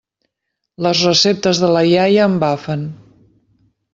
Les receptes de la iaia embafen.